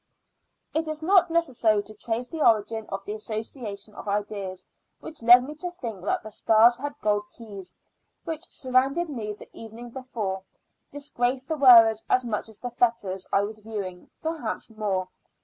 It is not necessary to trace the origin of the association of ideas which led me to think that the stars and gold keys, which surrounded me the evening before, disgraced the wearers as much as the fetters I was viewing perhaps more.